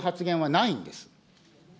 ないんです。